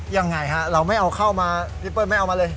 ยังไงฮะเราไม่เอาเข้ามาพี่เปิ้ลไม่เอามาเลย